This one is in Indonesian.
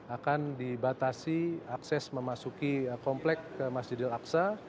akan dibatasi akses memasuki komplek ke masjidil aqsa